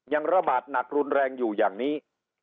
ยังระบาดหนักรุนแรงอยู่อย่างนี้